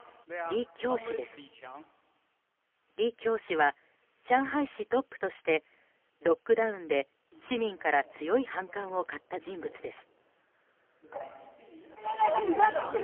リ・キョウ氏は上海市トップとしてロックダウンで市民から強い反感を買った人物です。